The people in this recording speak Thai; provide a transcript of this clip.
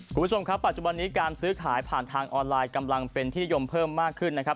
คุณผู้ชมครับปัจจุบันนี้การซื้อขายผ่านทางออนไลน์กำลังเป็นที่นิยมเพิ่มมากขึ้นนะครับ